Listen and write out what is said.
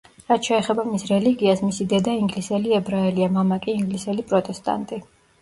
რაც შეეხება მის რელიგიას, მისი დედა ინგლისელი ებრაელია, მამა კი ინგლისელი პროტესტანტი.